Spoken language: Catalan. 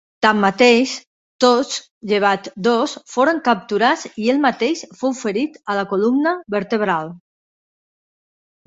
Tanmateix, tots llevat dos foren capturats i ell mateix fou ferit a la columna vertebral.